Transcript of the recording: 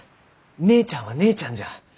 姉ちゃんは姉ちゃんじゃ。